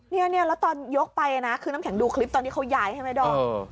เนี่ยแล้วตอนยกไปนะคือน้ำแข็งดูคลิปตอนที่เขาย้ายใช่ไหมดอม